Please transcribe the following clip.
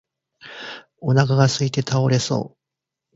お腹がすいて倒れそう